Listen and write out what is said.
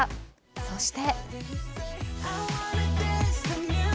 そして。